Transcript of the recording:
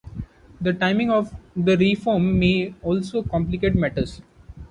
The timing of the reform may also complicate matters.